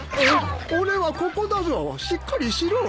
俺はここだぞしっかりしろ。